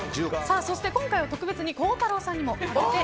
そして今回は特別に孝太郎さんにも何で？